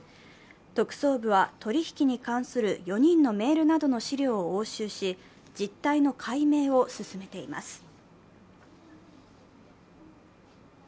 特捜部は取り引きに関する４人のメールなどの資料を押収し実態の解明を進めています。